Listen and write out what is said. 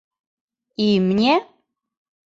Имне?